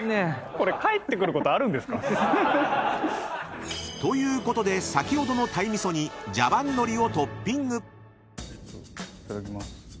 これ返ってくることあるんですか⁉［ということで先ほどの鯛味噌にジャバンのりをトッピング］あっ！